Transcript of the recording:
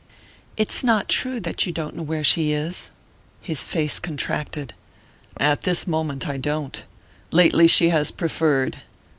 "It's not true that you don't know where she is?" His face contracted. "At this moment I don't. Lately she has preferred...